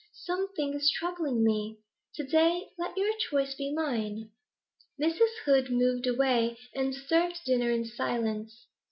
Something is troubling me. To day let your choice be mine.' Mrs. Hood moved away, and served the dinner in silence.